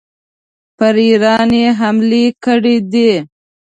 پر ایران یې حملې کړي دي.